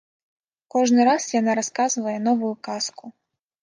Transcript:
Кожны раз яна расказвае новую казку.